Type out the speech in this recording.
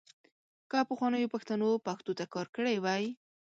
که پخوانیو پښتنو پښتو ته کار کړی وای .